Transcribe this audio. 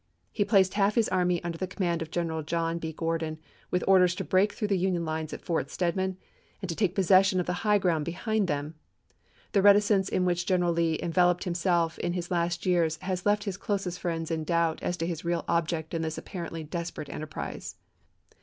He placed half his army under the command of General John B. Gordon, with orders to break through the Union lines at Fort Stedman, and to take possession of the high ground behind them. The reticence in which General Lee enveloped himself in his last years has left his closest friends in doubt as to his real object in this apparently desperate enterprise.